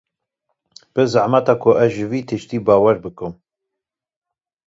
Pir zehmet e ku ez ji vî tiştî bawer bikim.